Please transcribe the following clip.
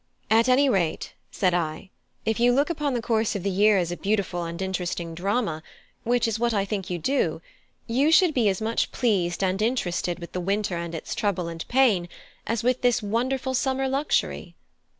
"At any rate," said I, "if you look upon the course of the year as a beautiful and interesting drama, which is what I think you do, you should be as much pleased and interested with the winter and its trouble and pain as with this wonderful summer luxury."